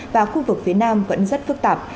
và khu vực phía nam vẫn rất phức tạp